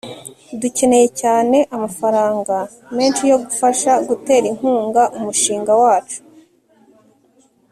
dukeneye cyane amafaranga menshi yo gufasha gutera inkunga umushinga wacu